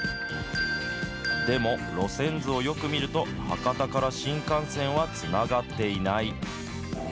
でも、路線図をよく見ると、博多から新幹線はつながっていない。